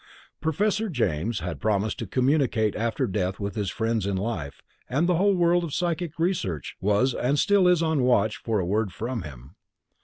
Professor James had promised to communicate after death with his friends in this life, and the whole world of psychic research was and still is on watch for a word from him.